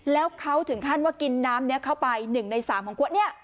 แล้วเขาถึงขั้นว่ากินน้ำนี้เข้าไป๑ใน๓ของขวดนี้